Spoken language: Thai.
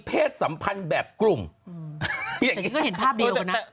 เพศสัมพันธ์แบบกลุ่มก็เห็นภาพเดียวกันนะ